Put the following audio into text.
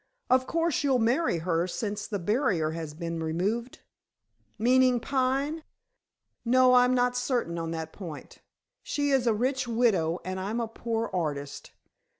Of course, you'll marry her since the barrier has been removed?" "Meaning Pine? No! I'm not certain on that point. She is a rich widow and I'm a poor artist.